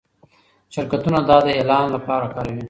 شرکتونه دا د اعلان لپاره کاروي.